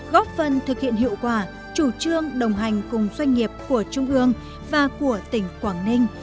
góp phần thực hiện hiệu quả chủ trương đồng hành cùng doanh nghiệp của trung ương và của tỉnh quảng ninh